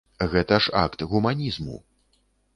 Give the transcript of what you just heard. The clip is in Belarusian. Гэта ж акт гуманізму.